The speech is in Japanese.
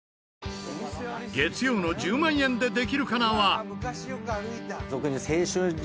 月曜の『１０万円でできるかな』は。